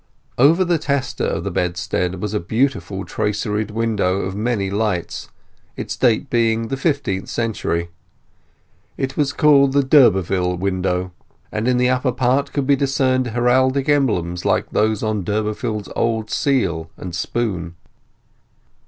Over the tester of the bedstead was a beautiful traceried window, of many lights, its date being the fifteenth century. It was called the d'Urberville Window, and in the upper part could be discerned heraldic emblems like those on Durbeyfield's old seal and spoon.